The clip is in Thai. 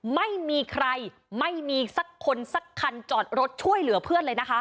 ไม่มีใครไม่มีสักคนสักคันจอดรถช่วยเหลือเพื่อนเลยนะคะ